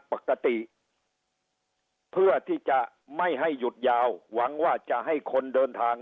ปกติเพื่อที่จะไม่ให้หยุดยาวหวังว่าจะให้คนเดินทาง